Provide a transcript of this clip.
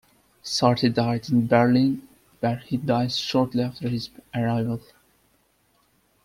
Sarti died in Berlin where he dies shortly after his arrival.